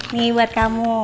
nih buat kamu